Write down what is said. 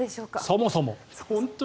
そもそも。